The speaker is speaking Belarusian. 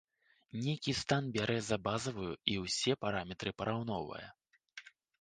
Нейкі стан бярэ за базавую, і ўсе параметры параўноўвае.